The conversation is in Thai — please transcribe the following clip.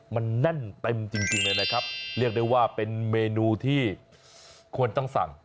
มันแน่นเต็มจริงเลยนะครับเรียกได้ว่าเป็นเมนูที่ควรต้องสั่ง